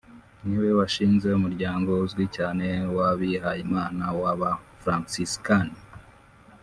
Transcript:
niwe washinze umuryango uzwi cyane w’abihayimana w’aba Franciscans